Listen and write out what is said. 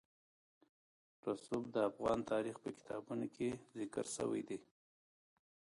رسوب د افغان تاریخ په کتابونو کې ذکر شوی دي.